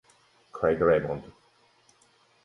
Craig Raymond